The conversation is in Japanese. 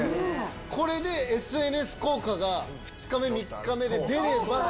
これでＳＮＳ効果が２日目、３日目で出れば。